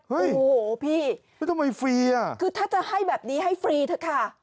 เฮ้ยทำไมฟรีอ่ะคือถ้าจะให้แบบนี้ให้ฟรีเถอะค่ะ